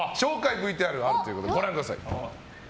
ＶＴＲあるということでご覧ください。